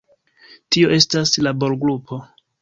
Tio estas laborgrupo.